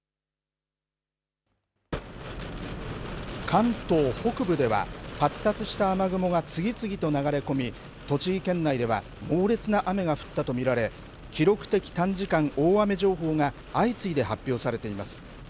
関東北部では、発達した雨雲が次々と流れ込み、栃木県内では猛烈な雨が降ったと見られ、記録的短時間大雨情報が相次いで発表されています。